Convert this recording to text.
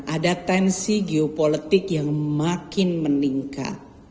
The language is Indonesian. ada tensi geopolitik yang makin meningkat